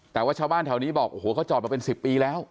แต่ว่าชาวบ้านแถวนี้บอกโอ้โหเขาจอดมาเป็น๑๐ปีแล้ว